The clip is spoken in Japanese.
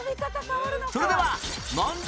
それでは問題